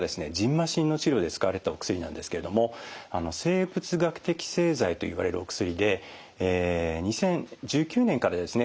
ましんの治療で使われてたお薬なんですけれども生物学的製剤といわれるお薬で２０１９年からですね